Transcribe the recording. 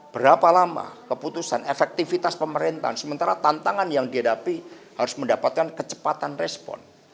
berapa lama keputusan efektivitas pemerintahan sementara tantangan yang dihadapi harus mendapatkan kecepatan respon